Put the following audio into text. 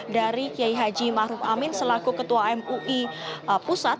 dari kiai haji maruf amin selaku ketua mui pusat